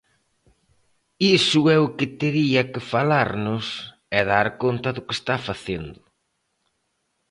Iso é o que tería que falarnos e dar conta do que está facendo.